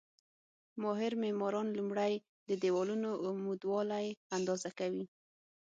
ماهر معماران لومړی د دېوالونو عمودوالی اندازه کوي.